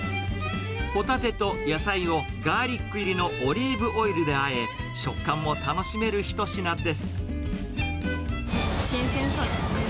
ホタテと野菜をガーリック入りのオリーブオイルであえ、食感も楽しめる一品です。